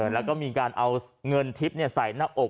แล้วก็มีการเอาเงินทิพย์ใส่หน้าอก